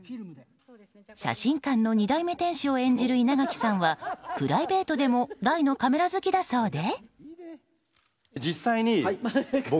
写真館の２代目店主を演じる稲垣さんはプライベートでも大のカメラ好きだそうで。